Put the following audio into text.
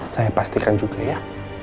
saya pastikan juga ya